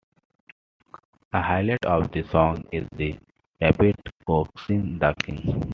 The highlight of the song is the rabbit coaxing the king.